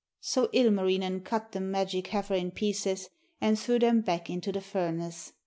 So Ilmarinen cut the magic heifer in pieces and threw them back into the furnace.